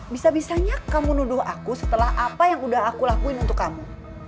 bisa bisanya kamu menuduh aku setelah apa yang udah aku lakuin untuk kamu